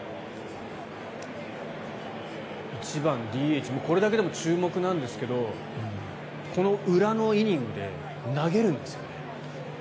１番ＤＨこれだけでも注目なんですけどこの裏のイニングで投げるんですよね。